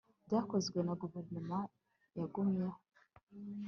Byakozwe na guverinoma Yagumyeyo